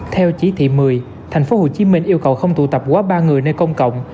theo chí thị một mươi thành phố hồ chí minh yêu cầu không tụ tập quá ba người nơi công cộng